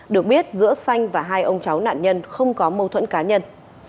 được biết giữa xanh và hai ông cháu nạn nhân không có mâu thuẫn cá nhân